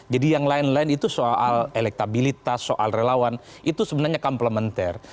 jadi yang lain lain itu soal elektabilitas soal relawan itu sebenarnya komplementer